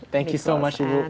itu yang saya harapkan